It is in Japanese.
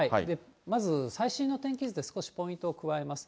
まず、最新の天気図で少しポイントを加えます。